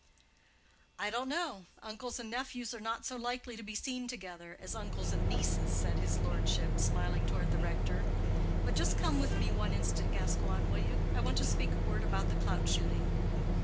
"I don't know; uncles and nephews are not so likely to be seen together as uncles and nieces," said his lordship, smiling toward the rector. "But just come with me one instant, Gascoigne, will you? I want to speak a word about the clout shooting."